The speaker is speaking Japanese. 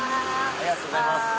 ありがとうございます。